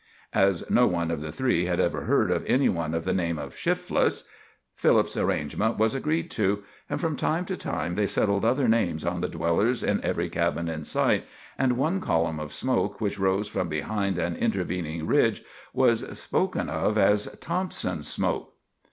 As no one of the three had ever heard of any one of the name of Shifless, Philip's arrangement was agreed to, and from time to time they settled other names on the dwellers in every cabin in sight, and one column of smoke which rose from behind an intervening ridge was spoken of as "Thompson's smoke."